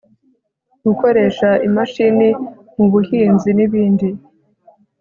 gukoresha imashini mu buhinzi, n' ibindi